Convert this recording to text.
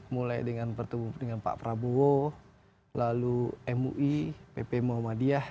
mulai dengan pak prabowo lalu mui pp muhammadiyah